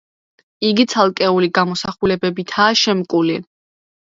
იგი ცალკეული გამოსახულებებითაა შემკული.